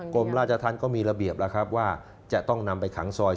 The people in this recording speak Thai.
กรมราชทันต์ก็มีระเบียบว่าจะต้องนำไปขังซอย